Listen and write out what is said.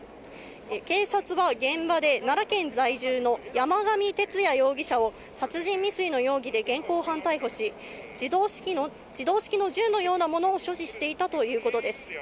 警察は現場で奈良県在住の山上徹也容疑者を殺人未遂の容疑で現行犯逮捕し、自動式の銃のようなものを所持していたということです。